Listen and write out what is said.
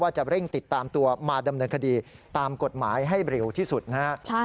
จะเร่งติดตามตัวมาดำเนินคดีตามกฎหมายให้เร็วที่สุดนะฮะ